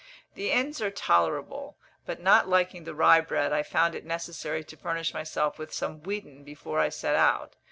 The inns are tolerable; but not liking the rye bread, I found it necessary to furnish myself with some wheaten before I set out.